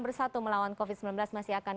bersatu melawan covid sembilan belas masih akan